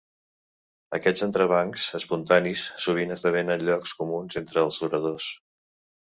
Aquests entrebancs espontanis sovint esdevenen llocs comuns entre els oradors.